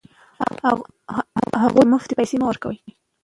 هغوی ته مفتې پیسې مه ورکوئ.